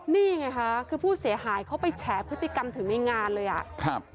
นี่ไงคะคือผู้เสียหายเขาไปแฉพฤติกรรมถึงในงานเลยอ่ะครับ